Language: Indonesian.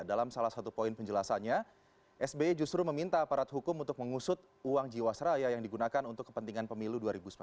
dalam salah satu poin penjelasannya sby justru meminta aparat hukum untuk mengusut uang jiwasraya yang digunakan untuk kepentingan pemilu dua ribu sembilan belas